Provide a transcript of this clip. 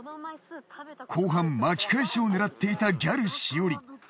後半巻き返しを狙っていたギャルしおり。